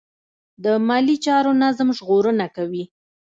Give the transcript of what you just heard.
د مالي چارو نظم ژغورنه کوي.